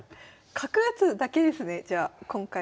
角打つだけですねじゃあ今回は。